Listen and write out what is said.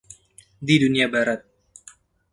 Di Dunia Barat.